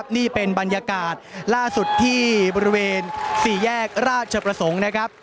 นี่เป็นบรรยากาศล่าสุดที่บริเวณสี่แยกราชเฉพาะสงฆ์